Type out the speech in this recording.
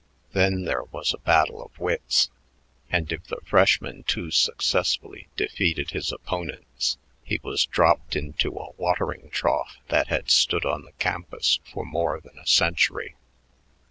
Then there was a battle of wits, and if the freshman too successfully defeated his opponents, he was dropped into a watering trough that had stood on the campus for more than a century.